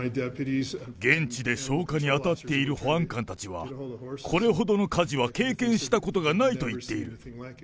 現地で消火に当たっている保安官たちは、これほどの火事は経験したことがないと言っている。